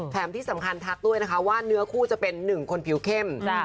แถมที่สำคัญทักด้วยนะคะว่าเนื้อคู่จะเป็นหนึ่งคนผิวเข้ม